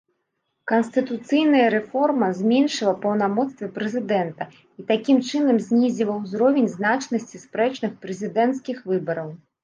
Канстытуцыйная рэформа зменшыла паўнамоцтвы прэзідэнта, і, такім чынам, знізіла ўзровень значнасці спрэчных прэзідэнцкіх выбараў.